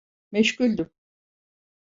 Meşguldüm.